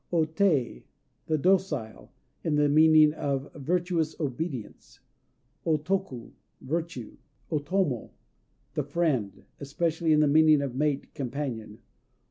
O Tei "The Docile," in the meaning of virtuous obedience. O Toku "Virtue." O Tomo "The Friend," especially in the meaning of mate, companion.